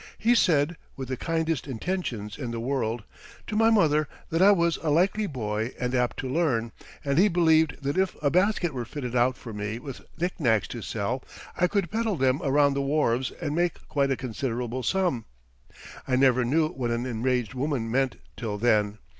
He said, with the kindest intentions in the world, to my mother, that I was a likely boy and apt to learn; and he believed that if a basket were fitted out for me with knickknacks to sell, I could peddle them around the wharves and make quite a considerable sum. I never knew what an enraged woman meant till then.